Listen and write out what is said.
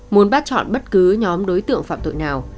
muốn bắt chọn bất cứ nhóm đối tượng phạm tội nào